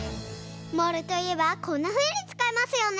モールといえばこんなふうにつかいますよね。